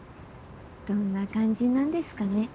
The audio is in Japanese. どんな感じなんですかね。